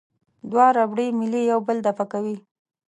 دوه ربړي میلې یو بل دفع کوي.